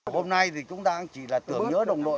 hôm nay thì chúng ta chỉ là tưởng nhớ đồng đội